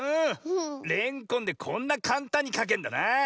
レンコンでこんなかんたんにかけんだなあ。